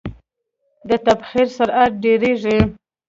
د تبخیر سرعت ډیریږي.